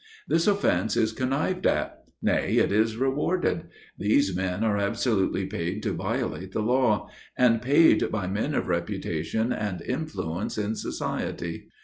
This offence is connived at; nay, it is rewarded; these men are absolutely paid to violate the law; and paid by men of reputation and influence in society.